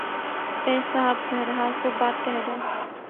فیض صاحب بہرحال خوب بات کہہ گئے۔